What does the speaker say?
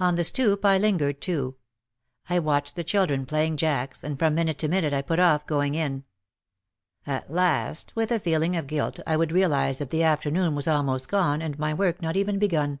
On the stoop I lingered too. I watched the children playing jacks and from minute to minute I put off going in. At last with a feeling of guilt I would realise that the afternoon was almost gone and my work not even begun.